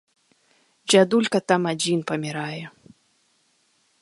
Дзядулька там адзін памірае.